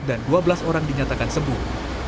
dan dua belas orang dinyatakan sembuh